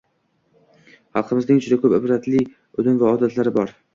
Xalqimizning juda ko‘p ibratli udum va odatlari bor